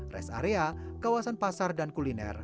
rest area kawasan pasar dan kuliner